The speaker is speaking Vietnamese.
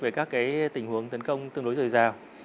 về các cái tình huống tấn công tương đối dời dào